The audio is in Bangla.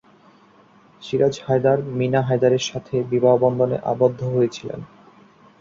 সিরাজ হায়দার মিনা হায়দারের সাথে বিবাহবন্ধনে আবদ্ধ হয়েছিলেন।